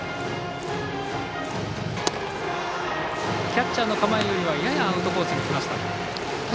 キャッチャーの構えよりはややアウトコースにきました。